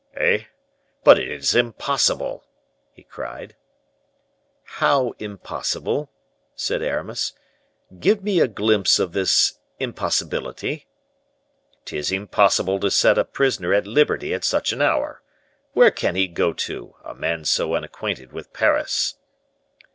"Eh! but it is impossible!" he cried. "How impossible?" said Aramis. "Give me a glimpse of this impossibility." "'Tis impossible to set a prisoner at liberty at such an hour. Where can he go to, a man so unacquainted with Paris?"